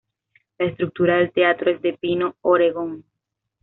La estructura del teatro es de pino oregón.